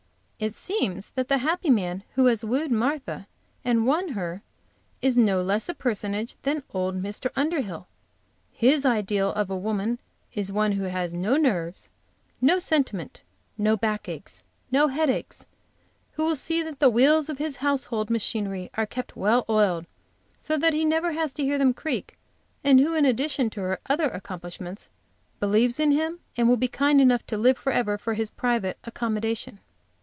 It seems that the happy man who has wooed Martha and won her is no less a personage than old Mr. Underhill. His ideal of a woman is one who has no nerves, no sentiment, no backaches, no headaches, who will see that the wheels of his household machinery are kept well oiled, so that he need never hear them creak, and who, in addition to her other accomplishments, believes in him and will be kind enough to live forever for his private accommodation.